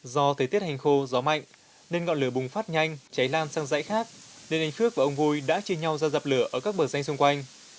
do thời tiết hành khô gió mạnh nên ngọn lửa bùng phát nhanh cháy lan sang dãy khác nên anh phước và ông vui đã chia nhau ra dập lửa ở các bờ danh xung quanh